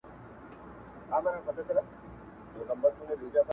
پرېږده چي دي مخي ته بلېږم ته به نه ژاړې٫